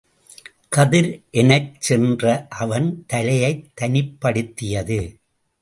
கதிர் எனச் சென்று அவன் தலையைத் தனிப்படுத்தியது.